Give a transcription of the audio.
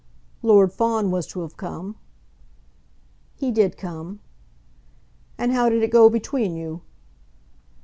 "Lord Fawn was to have come." "He did come." "And how did it go between you?"